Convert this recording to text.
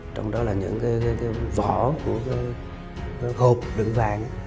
trong đó là những cái vỏ của hộp đựng vàng